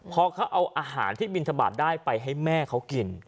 พอเขาเอาอาหารที่บินทบาทได้ไปให้แม่เขากิน